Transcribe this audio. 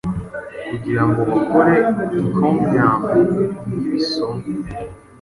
kugirango bakore encomium nkibisomwa